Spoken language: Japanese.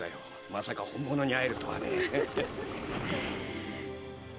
まさか本物に会えるとはね。